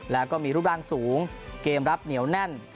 แล้วก็มีรูปร่างสูงเกมรับเหนียวแน่น